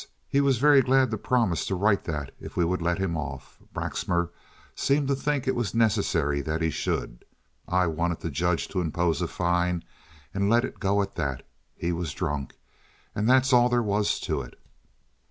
He was very glad to promise to write that if we would let him off. Braxmar seemed to think it was necessary that he should. I wanted the judge to impose a fine and let it go at that. He was drunk, and that's all there was to it."